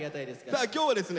さあ今日はですね